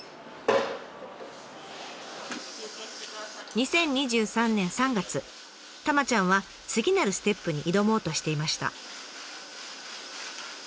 ２０２３年３月たまちゃんは次なるステップに挑もうとしていました。